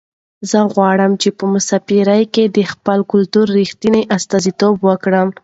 زه غواړم چې په مسافرۍ کې د خپل کلتور رښتنې استازیتوب وکړم.